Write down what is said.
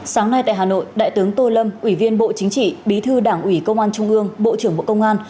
sáng nay tại hà nội đại tướng tô lâm ủy viên bộ chính trị bí thư đảng ủy công an trung ương bộ trưởng bộ công an